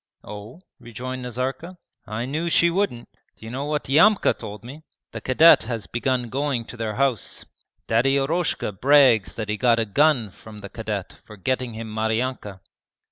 'Oh?' rejoined Nazarka. 'I knew she wouldn't. D'you know what Yamka told me? The cadet has begun going to their house. Daddy Eroshka brags that he got a gun from the cadet for getting him Maryanka.'